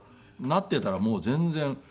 なっていたらもう全然。